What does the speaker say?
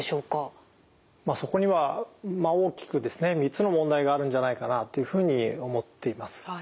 そこには大きくですね３つの問題があるんじゃないかなというふうに思っています。